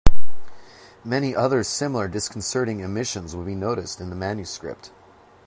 Many other similar disconcerting omissions will be noticed in the Manuscript.